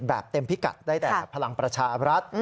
แบบเต่มพิกัดได้แต่ภลังประชาภรรดิ์